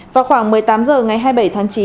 vào khoảng một mươi tám h ngày hai mươi bảy tháng chín